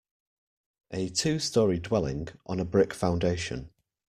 A two story dwelling, on a brick foundation.